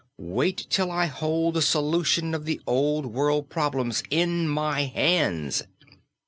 Wait till I hold the solutions of the old world problems in my hands!